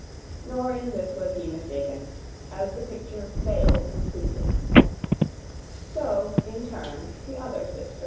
Nor in this was he mistaken, As the picture failed completely. So in turn the other sisters.